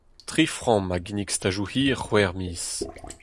Tri framm a ginnig stajoù hir c'hwec'h miz.